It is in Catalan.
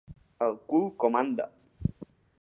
El cul comanda.